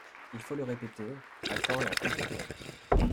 Il faut le répéter, à temps et à contretemps.